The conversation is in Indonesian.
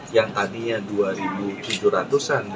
yang tadinya dua tujuh ratus an